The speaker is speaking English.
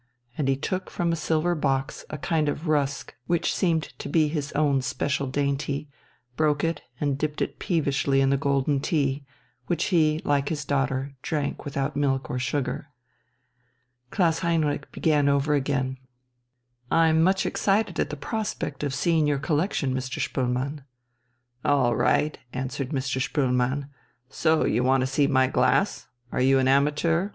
And he took from a silver box a kind of rusk which seemed to be his own special dainty, broke it and dipped it peevishly in the golden tea, which he, like his daughter, drank without milk or sugar. Klaus Heinrich began over again: "I am much excited at the prospect of seeing your collection, Mr. Spoelmann." "All right," answered Mr. Spoelmann. "So you want to see my glass? Are you an amateur?